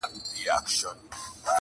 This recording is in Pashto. که ستا چيري اجازه وي محترمه,